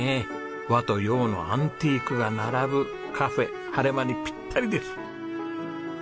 和と洋のアンティークが並ぶカフェはれまにぴったりです。